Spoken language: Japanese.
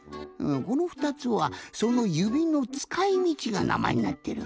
この２つはその指のつかいみちがなまえになってる。